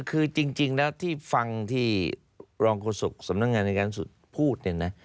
คือจริงแล้วที่ฟังที่รองกฎศุกษ์สำนักงานในด้านสุภูมิเนี่ยนะ